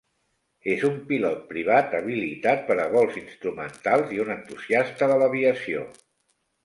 És un pilot privat habilitat per a vols instrumentals i un entusiasta de l'aviació.